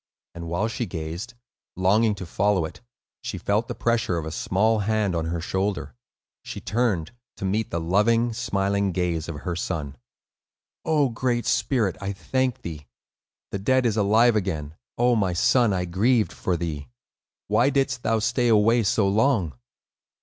And while she gazed, longing to follow it, she felt the pressure of a small hand on her shoulder. She turned, to meet the loving, smiling gaze of her son. "O Great Spirit, I thank thee! The dead is alive again! O my son, I grieved for thee! Why didst thou stay away so long?"